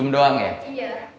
tapi sekarang udah senang